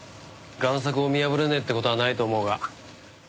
贋作を見破れねえって事はないと思うが。